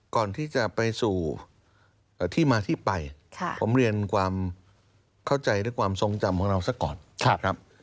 ก่อนที่จะไปสู่ที่มาที่ไปผมเรียนความเข้าใจและความทรงจำของเราซะก่อนครับ